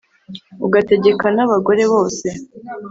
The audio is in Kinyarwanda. ugategekwa n’abagore bose